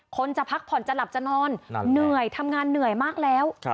คนจะพักผ่อนจะหลับจะนอนเหนื่อยทำงานเหนื่อยมากแล้ว